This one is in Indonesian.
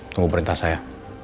tunggu perintah saya